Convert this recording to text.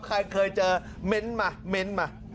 ใครเคยเจอเม้นท์มา